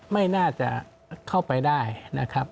ไม่น่าจะเข้าไปได้นะครับ